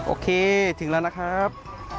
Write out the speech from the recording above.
โอเคถึงแล้วนะครับ